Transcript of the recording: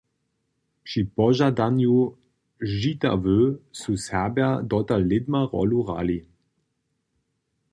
Při požadanju Žitawy su Serbja dotal lědma rólu hrali.